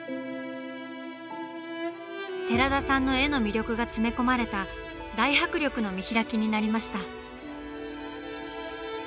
寺田さんの絵の魅力が詰め込まれた大迫力の見開きになりました。